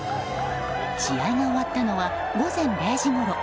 試合が終わったのは午前０時ごろ。